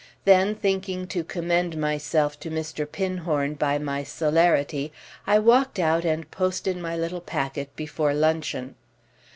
Then thinking to commend myself to Mr. Pinhorn by my celerity, I walked out and posted my little packet before luncheon.